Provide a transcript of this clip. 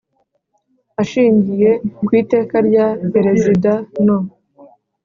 Ashingiye ku Iteka rya Perezida no